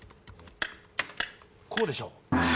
こうでしょ！